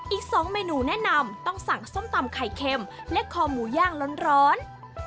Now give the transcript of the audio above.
อีก๒เมนูแนะนำต้องสั่งส้มตำไข่เค็มและคอหมูย่างร้อน